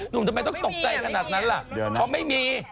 หนุ่มทำไมต้องตกใจขนาดนั้นล่ะเพราะไม่มี